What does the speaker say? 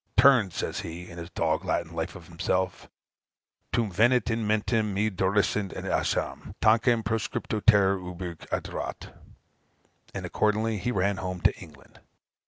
"Turn," says he, in his dog Latin life of himself, "Tum venit in mentem mihi Dorislaus et Ascham; Tanquam proscripto terror ubique aderat." And accordingly he ran home to England.